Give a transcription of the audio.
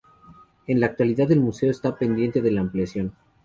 En la actualidad el museo está pendiente de ampliación.